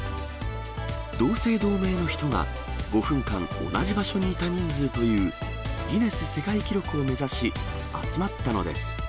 同姓同名の人が５分間、同じ場所にいた人数というギネス世界記録を目指し、集まったのです。